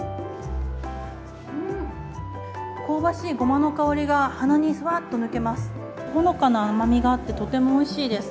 香ばしいごまの香りが鼻にふわっと抜けます。